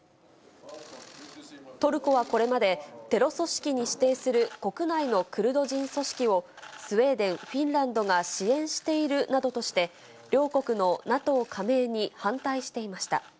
トルコはこれまで、テロ組織に指定する国内のクルド人組織をスウェーデン、フィンランドが支援しているなどとして、両国のＮＡＴＯ加盟に反対していました。